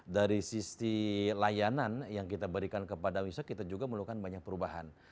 dari sisi layanan yang kita berikan kepada wisata kita juga melakukan banyak perubahan